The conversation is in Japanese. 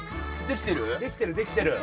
できてるできてる。